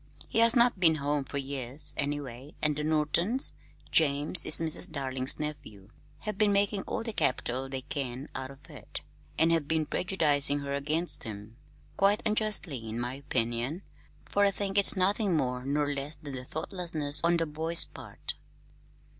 He has not been home for years, anyway, and the Nortons James is Mrs. Darling's nephew have been making all the capital they can out of it, and have been prejudicing her against him quite unjustly, in my opinion, for I think it's nothing more nor less than thoughtlessness on the boy's part."